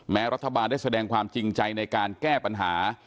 รัฐบาลได้แสดงความจริงใจในการแก้ปัญหา